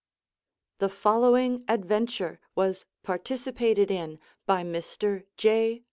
The following adventure was participated in by Mr. J.